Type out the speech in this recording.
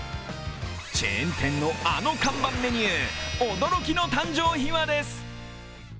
チェーン店のあの看板メニュー、驚きの誕生秘話です。